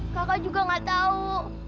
kakak juga gak tau